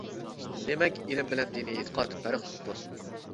دېمەك ئىلىم بىلەن دىنىي ئېتىقاد پەرقلىقتۇر.